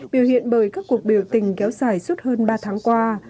biểu hiện bởi các cuộc biểu tình kéo dài suốt hơn ba tháng qua